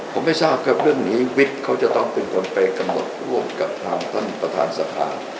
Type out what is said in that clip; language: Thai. ผมไม่ทราบครับเรื่องนี้วิกเขาจะต้องเป็นคนไปกำหนดร่วมกับทางท่านประธานสภา